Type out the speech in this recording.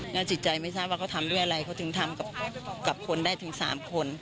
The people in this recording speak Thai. ก็จิตใจไม่ทราบว่าเขาทำด้วยอะไรเขาติดตามกับคนได้ถึงสามคน